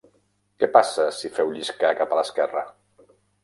Què passa si feu lliscar cap a l'esquerra?